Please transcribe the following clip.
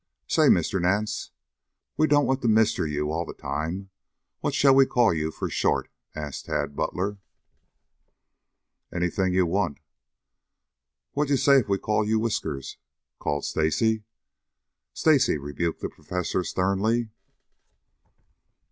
"Say, Mr. Nance, we don't want to Mister you all the time. What shall we call you for short?" asked Tad Butler. "Anything you want." "What d'ye say if we call you Whiskers?" called Stacy. "Stacy!" rebuked the Professor sternly.